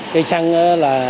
cây xăng là